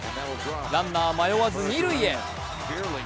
ランナー、迷わず二塁へ。